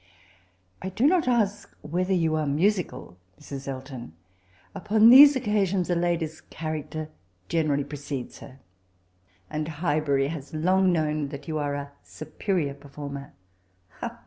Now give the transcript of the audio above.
^' 'I do not ask whether you are mui^cal, Mrs. Elton. Upon these occasions, a lady's character generally precedes her; and Highbuiy has long known that you are a superior performer.